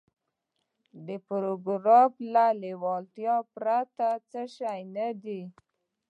دا پاراګراف له يوې لېوالتیا پرته بل څه نه دی.